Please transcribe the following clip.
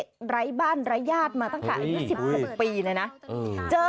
โอ้โห